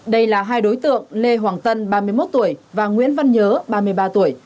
đây là hai đối tượng lê hoàng tân ba mươi một tuổi và nguyễn văn nhớ ba mươi ba tuổi